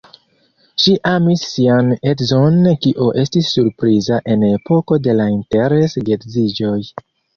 Ŝi amis sian edzon, kio estis surpriza en epoko de la interes-geedziĝoj.